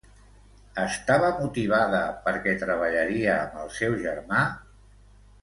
Estava motivada perquè treballaria amb el seu germà?